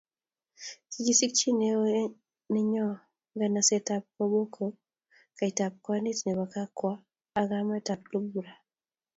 kikisikyi neo nenyoo nganaset ab koboko kaitab kwanit nebo Kakwa ak kamet ab lugbara